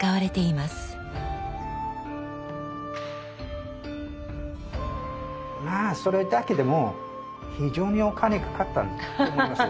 まあそれだけでも非常にお金かかったと思いますよ